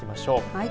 はい。